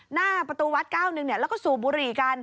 หน้าประตูวัดเก้าหนึ่งแล้วก็สูบบุหรี่กัน